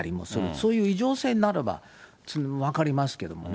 そういう異常性ならば分かりますけどもね。